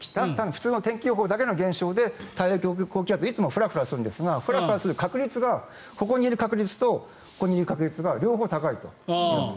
普通は天気予報だけの現象で太平洋高気圧いつもふらふらするんですがここにいる確率とここにいる確率が両方高いと。